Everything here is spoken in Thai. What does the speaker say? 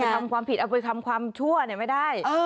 เอาไปทำความผิดเอาไปทำความทั่วนี่ไม่ได้